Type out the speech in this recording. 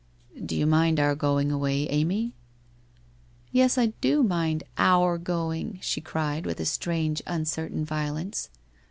' Do you mind our going, Amy? *' Yes, I do mind " our " going,' she cried, with strange uncertain violence.